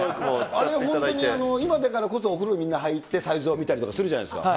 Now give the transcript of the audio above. あれが本当に今だからこそ、お風呂に入ってサイズを見たりするじゃないですか。